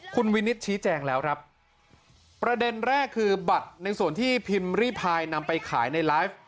คุณวินิตชี้แจงแล้วครับประเด็นแรกคือบัตรในส่วนที่พิมพ์ริพายนำไปขายในไลฟ์